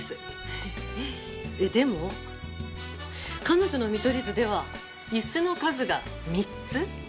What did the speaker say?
でも彼女の見取り図では椅子の数が３つ。